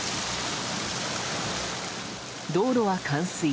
道路は冠水。